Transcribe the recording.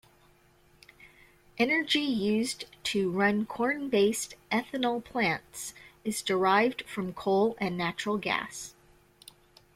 Energy used to run corn-based ethanol plants is derived from coal and natural gas.